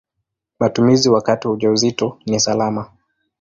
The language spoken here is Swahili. Matumizi wakati wa ujauzito ni salama.